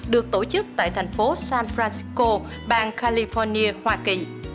được tổ chức tại thành phố san francisco bang california hoa kỳ